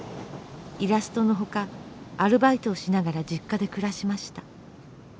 イラストの他アルバイトをしながら実家で暮らしました。